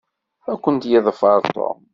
Ad ken-yeḍfer Tom.